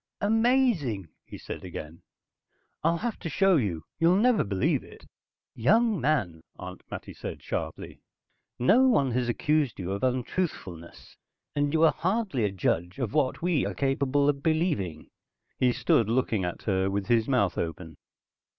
"Amazing," he said again. "I'll have to show you. You'll never believe it." "Young man," Aunt Mattie said sharply. "No one has accused you of untruthfulness, and you are hardly a judge of what we are capable of believing." He stood looking at her with his mouth open.